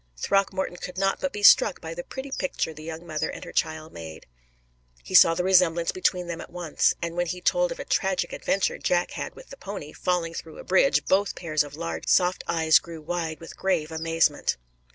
Throckmorton could not but be struck by the pretty picture the young mother and her child made. He saw the resemblance between them at once, and when he told of a tragic adventure Jack had with the pony, falling through a bridge, both pairs of large, soft eyes grew wide with grave amazement.